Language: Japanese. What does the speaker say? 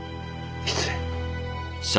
失礼。